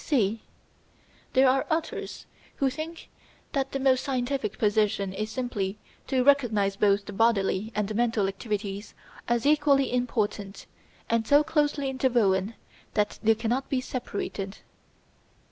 (c) There are others who think that the most scientific position is simply to recognise both the bodily and the mental activities as equally important, and so closely interwoven that they cannot be separated.